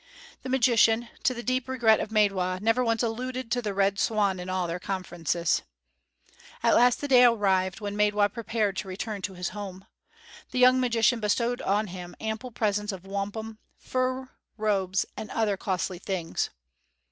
The magician, to the deep regret of Maidwa, never once alluded to the Red Swan in all their conferences. At last the day arrived when Maidwa prepared to return to his home. The young magician bestowed on him ample presents of wampum, fur, robes, and other costly things.